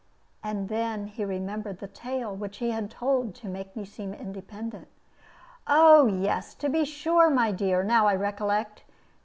And then he remembered the tale which he had told, to make me seem independent. "Oh yes, to be sure, my dear; now I recollect.